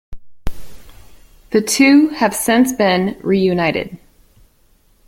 The two have since been reunited.